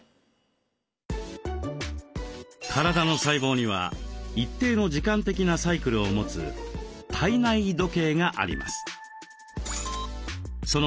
体の細胞には一定の時間的なサイクルを持つ「体内時計」があります。